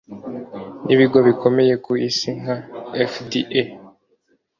n'ibigo bikomeye ku isi nka FDA